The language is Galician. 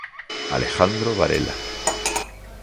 Alejandro Varela.